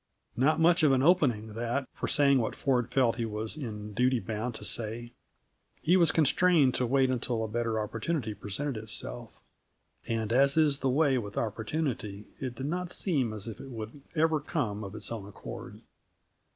Not much of an opening, that, for saying what Ford felt he was in duty bound to say. He was constrained to wait until a better opportunity presented itself and, as is the way with opportunity, it did not seem as if it would ever come of its own accord.